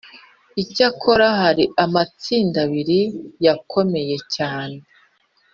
icyakora hari amatsinda abiri yakomeye cyane